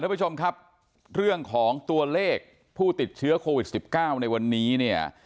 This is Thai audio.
รับประชบครับเรื่องของตัวเลขผู้ติดเชื้อโควิด๑๙ในวันนี้